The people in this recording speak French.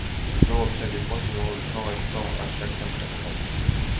Le joueur obtient des points selon le temps restant à chaque fin d'étape.